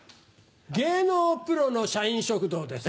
芸能プロの社員食堂です。